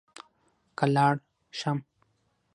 که لاړ شم.